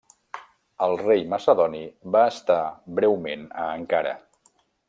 El rei macedoni va estar breument a Ankara.